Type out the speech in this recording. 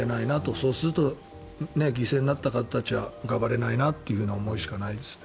そうすると犠牲になった方たちは浮かばれないなという思いしかないです。